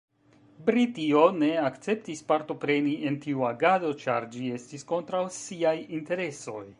Britio ne akceptis partopreni en tiu agado, ĉar ĝi estis kontraŭ siaj interesoj.